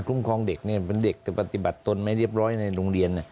ครองเด็กเป็นเด็กแต่ปฏิบัติตนไม่เรียบร้อยในโรงเรียน